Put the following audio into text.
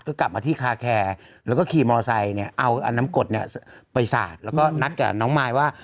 ก็กลับมาที่คาแคร์แล้วก็ขี่มอไซค์เนี่ยเอาน้ำกดเนี่ยไปสาดแล้วก็นัดกับน้องมายว่า